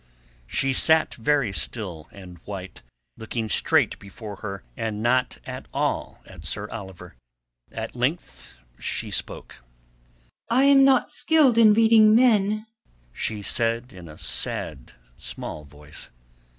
She sat very still and white, looking straight before her and not at all at Sir Oliver. At length she spoke. "I am not skilled in reading men," she said in a sad, small voice.